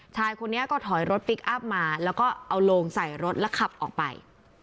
ชายคนนี้ก็ถอยรถพลิกอัพมาแล้วก็เอาโลงใส่รถแล้วขับออกไป